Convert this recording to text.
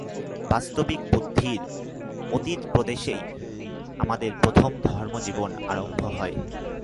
বাস্তবিক, বুদ্ধির অতীত প্রদেশেই আমাদের প্রথম ধর্মজীবন আরম্ভ হয়।